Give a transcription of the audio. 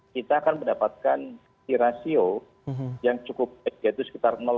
kita akan mendapatkan di rasio yang cukup baik yaitu sekitar